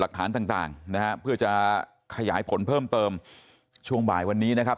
หลักฐานต่างต่างนะฮะเพื่อจะขยายผลเพิ่มเติมช่วงบ่ายวันนี้นะครับ